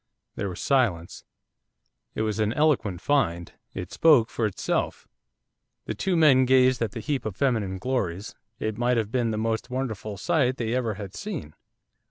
There was silence, it was an eloquent find; it spoke for itself. The two men gazed at the heap of feminine glories, it might have been the most wonderful sight they ever had seen.